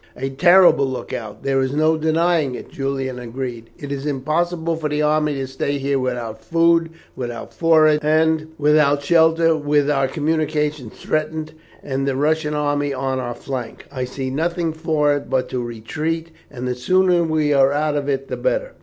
"A terrible look out, there is no denying it," Julian agreed. "It is impossible for the army to stay here without food, without forage, without shelter, with our communications threatened, and the Russian army on our flank. I see nothing for it but to retreat, and the sooner we are out of it the better.